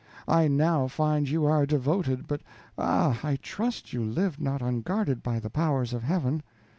I now find you are devoted; but ah! I trust you live not unguarded by the powers of Heaven.